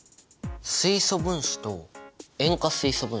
水素分子と塩化水素分子？